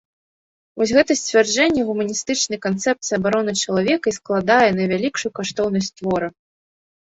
Вось гэта сцвярджэнне гуманістычнай канцэпцыі абароны чалавека і складае найвялікшую каштоўнасць твора.